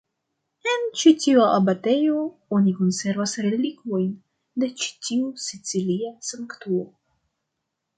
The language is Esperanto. En ĉi tiu abatejo oni konservas relikvojn de ĉi tiu sicilia sanktulo.